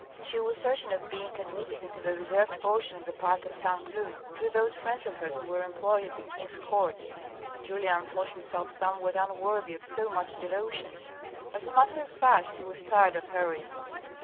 She was certain of being ad mitted into the reserved portion of the park of St. Cloud, through those friends of hers who were employed at the king's court. Julien thought himself somewhat unworthy of so much devotion. As a matter of fact, he was tired of heroism.